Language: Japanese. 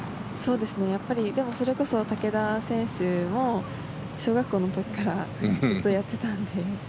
やっぱりそれこそ竹田選手も小学校の時からずっとやっていたので。